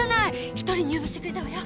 一人入部してくれたわよ。